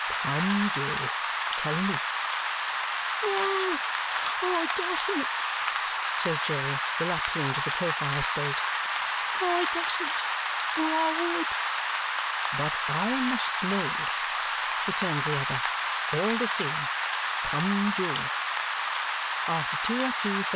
"Come, Jo. Tell me." "No. I dustn't," says Jo, relapsing into the profile state. "I dustn't, or I would." "But I must know," returns the other, "all the same. Come, Jo."